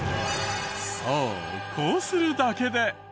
そうこうするだけで。